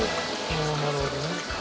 ああなるほどね。